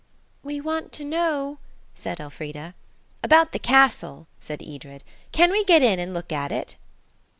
"We want to know–" said Elfrida. "About the castle," said Edred, "Can we get in and look at it?"